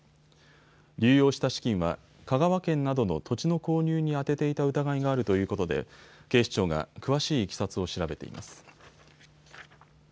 流用した資金は香川県などの土地の購入に充てていた疑いがあるということで警視庁が詳しいいきさつを調べています。